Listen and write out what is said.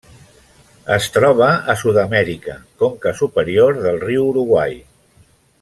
Es troba a Sud-amèrica: conca superior del riu Uruguai.